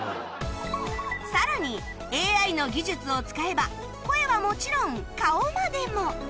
更に ＡＩ の技術を使えば声はもちろん顔までも